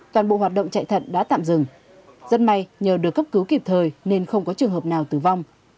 toàn bộ hoạt động chạy thận đã tạm dừng rất may nhờ được cấp cứu kịp thời nên không có trường hợp nào tử vong